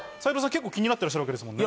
結構気になってらっしゃるわけですもんね。